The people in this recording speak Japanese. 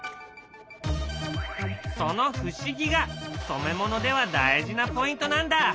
その不思議が染め物では大事なポイントなんだ！